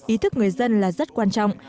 ý thức người dân là rất quan trọng